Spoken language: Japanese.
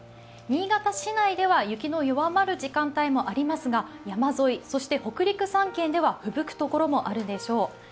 新潟市内では雪の弱まる時間帯もありますが山沿い、そして北陸３県ではふぶくところがあるでしょう。